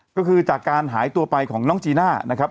ก็คือจากการหายตัวไปของน้องจีน่านะครับ